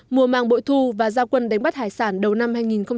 mùa màng bội thu và gia quân đánh bắt hải sản đầu năm hai nghìn một mươi bảy